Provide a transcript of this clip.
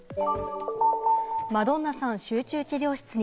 マドンナさん、集中治療室に。